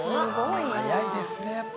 早いですねやっぱ。